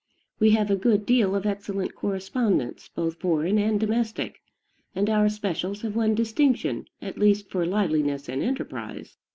We have a good deal of excellent correspondence, both foreign and domestic; and our "specials" have won distinction, at least for liveliness and enterprise.